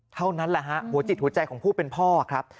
เท่านั้นแหละฮะหัวจิตหัวใจของผู้เป็นพ่อครับ